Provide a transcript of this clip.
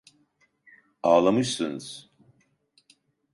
Ağlamışsınız!